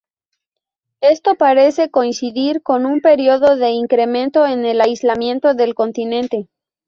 Esto parece coincidir con un período de incremento en el aislamiento del continente.